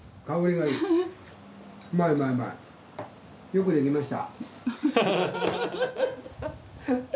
よくできました。